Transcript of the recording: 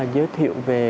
giới thiệu về